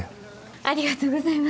ありがとうございます。